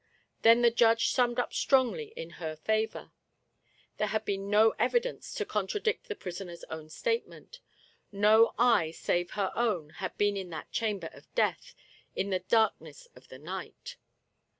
Then the judge summed up strongly in her favor. There had been no evidence to contradict the prisoner's own statement. No eye save her own had been in that chamber of death in the darkness of the night.